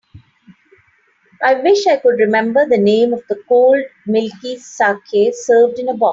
I wish I could remember the name of the cold milky saké served in a box.